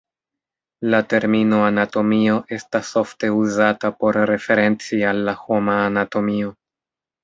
La termino "anatomio" estas ofte uzata por referenci al la homa anatomio.